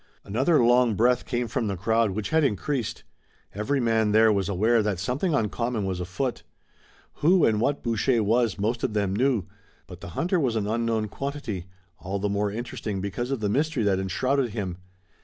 Another long breath came from the crowd which had increased. Every man there was aware that something uncommon was afoot. Who and what Boucher was most of them knew, but the hunter was an unknown quantity, all the more interesting because of the mystery that enshrouded him.